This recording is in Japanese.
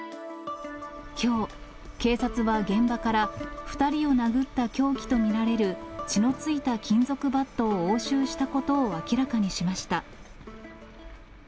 きょう、警察は現場から２人を殴った凶器と見られる、血のついた金属バットを押収したことを明らかにしました。